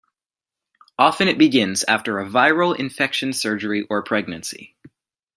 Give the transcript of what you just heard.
Often it begins after a viral infection, surgery, or pregnancy.